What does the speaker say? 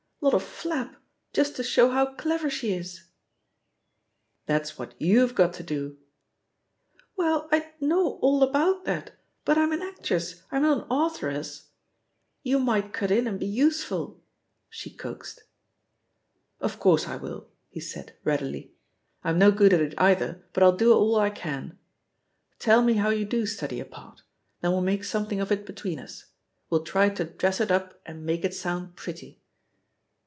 Lot of flap, [just to show how clever she is I'* "That's what y(m*ve got to doT* ^"Well, I know all about that, but I'm an actress, I'm not an authoress. ••• You might cut in and be useful," she coaxed. "Of course I will,'* he said readily. "I'm no THE POSITION OF PEGGY HARPER «8T good at it either, but I'll do all I can. Tell me how you do study a part. Then we'll make some thing of it between us; we'll try to dress it up and make it soimd pretty."